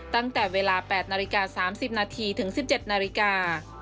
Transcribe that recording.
ตั้งแต่เวลา๘นาฬิกา๓๐นาทีถึง๑๗นาฬิกา